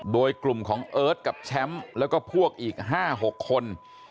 โดยกลุ่มของเอิร์ทกับแชมป์แล้วก็พวกอีก๕๖คน